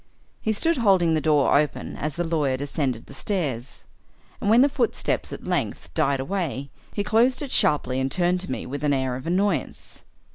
He stood holding the door open as the lawyer descended the stairs, and when the footsteps at length died away, he closed it sharply and turned to me with an air of annoyance.